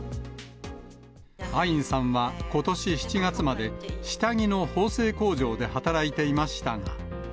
アインさんはことし７月まで、下着の縫製工場で働いていましたが。